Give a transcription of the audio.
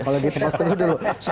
kamu menyelamatkan saya